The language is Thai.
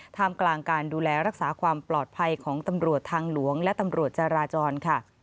ท่ามกลางการดูแลรักษาความปลอดภัยของตำรวจทางหลวงและตำรวจจาราจรค่ะ